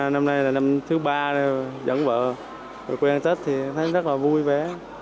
năm nay là năm thứ ba dẫn vợ về quê ăn tết thì thấy rất là vui vẻ